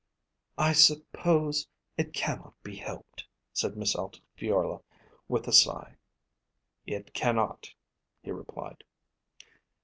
"I suppose it cannot be helped," said Miss Altifiorla with a sigh. "It cannot," he replied.